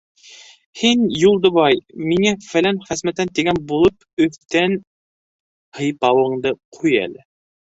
- Һин, Юлдыбай, миңә фәлән-фәсмәтән тигән булып, өҫтән һыйпауыңды ҡуй әле.